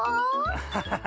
アハハハ。